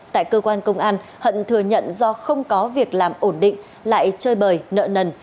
tại cơ quan công an hận thừa nhận do không có việc làm ổn định lại chơi bời nợ nần